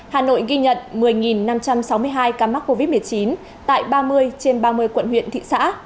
hà nội ghi nhận một mươi năm trăm sáu mươi hai ca mắc covid một mươi chín tại ba mươi trên ba mươi quận huyện thị xã